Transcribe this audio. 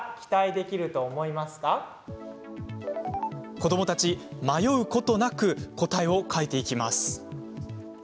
子どもたち、迷うことなく答えを書いていきます。